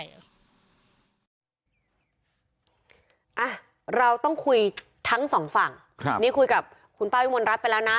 อ่ะเราต้องคุยทั้งสองฝั่งครับนี่คุยกับคุณป้าวิมลรัฐไปแล้วนะ